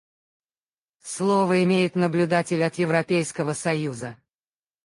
Слово имеет наблюдатель от Европейского союза.